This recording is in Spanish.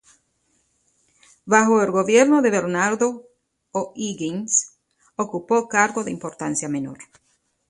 Bajo el gobierno de Bernardo O'Higgins ocupó cargos de importancia menor.